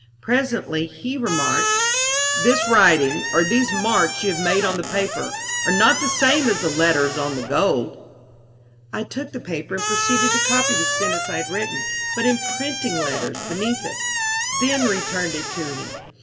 Presently he remarked: "This writing, or these marks you have made on the paper, are not the same as the letters on the gold." I took the paper and proceeded to copy the sentence I had written, but in printing letters, beneath it, then returned it to him.